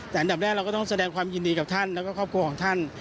แต่อันดับแรกเราก็ต้องแสดงความยินดีกับท่านแล้วก็ครอบครัวของท่าน